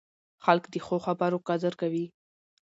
خلک د ښو خبرو قدر کوي